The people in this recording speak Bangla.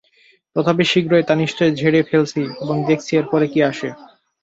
তথাপি শীঘ্রই তা নিশ্চয় ঝেড়ে ফেলছি এবং দেখছি এর পরে কি আসে।